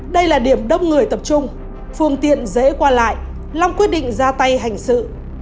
đây là điểm đông người tập trung phương tiện dễ qua lại long quyết định ra tay hành sự